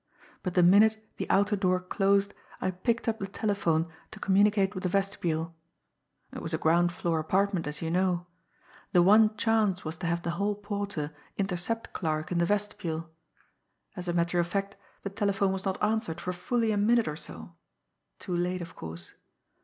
But the minute the outer door closed I picked up the telephone to communicate with the vestibule. It was a ground floor apartment, as you know. The one chance was to have the hall porter intercept Clarke in the vestibule. As a matter of fact, the telephone was not answered for fully a minute or so too late, of course!